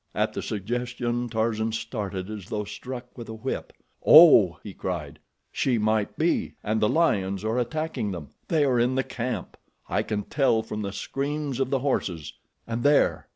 At the suggestion Tarzan started as though struck with a whip. "God!" he cried, "she might be, and the lions are attacking them—they are in the camp. I can tell from the screams of the horses—and there!